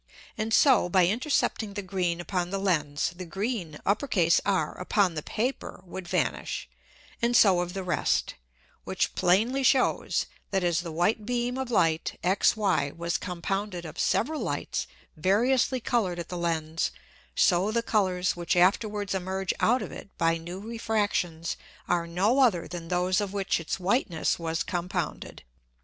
And so by intercepting the green upon the Lens, the green R upon the Paper would vanish, and so of the rest; which plainly shews, that as the white beam of Light XY was compounded of several Lights variously colour'd at the Lens, so the Colours which afterwards emerge out of it by new Refractions are no other than those of which its Whiteness was compounded.